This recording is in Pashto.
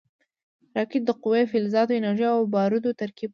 راکټ د قوي فلزاتو، انرژۍ او بارودو ترکیب دی